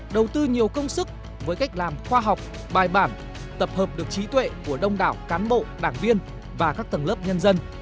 đầu tư nhiều công sức với cách làm khoa học bài bản tập hợp được trí tuệ của đông đảo cán bộ đảng viên và các tầng lớp nhân dân